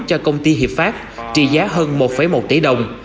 cho công ty hiệp pháp trị giá hơn một một tỷ đồng